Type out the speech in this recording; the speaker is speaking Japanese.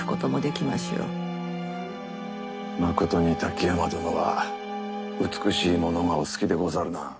まことに滝山殿は美しいものがお好きでござるな。